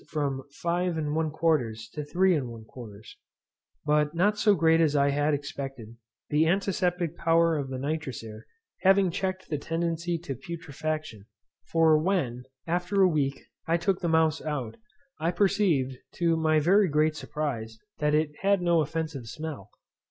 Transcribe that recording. from 5 1/4 to 3 1/4; but not so great as I had expected, the antiseptic power of the nitrous air having checked the tendency to putrefaction; for when, after a week, I took the mouse out, I perceived, to my very great surprize, that it had no offensive smell.